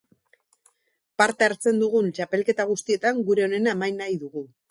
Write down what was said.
Parte hartzen dugun txapelketa guztietan gure onena eman nahi dugu.